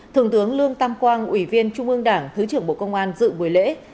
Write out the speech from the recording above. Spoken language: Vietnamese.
thượng tướng lương tam quang ủy viên trung ương đảng thứ trưởng bộ công an dự buổi lễ